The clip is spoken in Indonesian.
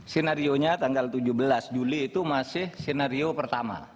senarionya tanggal tujuh belas juli itu masih senario pertama